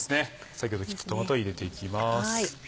先ほど切ったトマトを入れていきます。